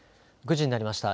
９時になりました。